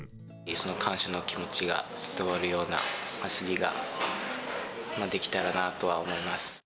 感謝の気持ちが伝わるような走りができたらなとは思います。